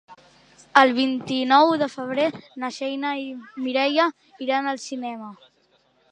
El vint-i-nou de febrer na Xènia i na Mireia iran al cinema.